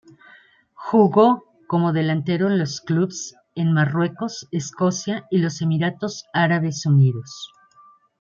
Jugó como delantero en los clubes en Marruecos, Escocia y los Emiratos Árabes Unidos.